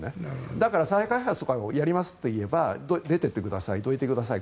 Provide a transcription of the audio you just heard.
だから、再開発とかをやりますといえば出ていってくださいどいてください